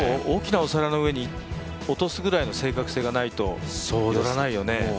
大きなお皿の上に落とすぐらいの正確性がないと寄らないよね。